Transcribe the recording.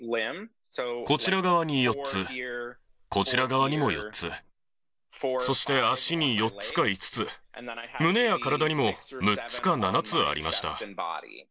こちら側に４つ、こちら側にも４つ、そして足に４つか５つ、胸や体にも６つか７つありました。